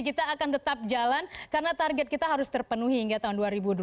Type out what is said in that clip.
kita akan tetap jalan karena target kita harus terpenuhi hingga tahun dua ribu dua puluh